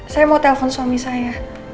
saya mau telpon suami saya